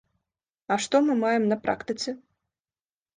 А што мы маем на практыцы?